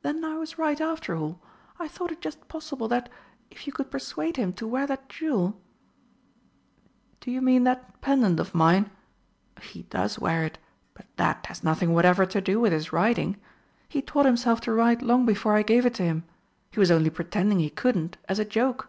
"Then I was right after all. I thought it just possible that, if you could persuade him to wear that jewel " "Do you mean that pendant of mine? He does wear it, but that has nothing whatever to do with his riding. He'd taught himself to ride long before I gave it to him. He was only pretending he couldn't, as a joke."